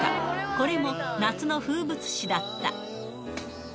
これも夏の風物詩だった。